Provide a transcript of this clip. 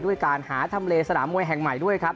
ด้วยการหาทำเลสนามมวยแห่งใหม่ด้วยครับ